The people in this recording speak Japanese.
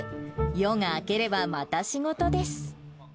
夜が明ければ、また仕事です。